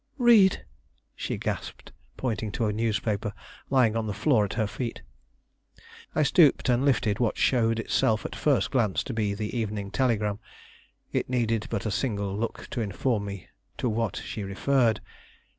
"Read!" she gasped, pointing to a newspaper lying on the floor at her feet. I stooped and lifted what showed itself at first glance to be the Evening Telegram. It needed but a single look to inform me to what she referred.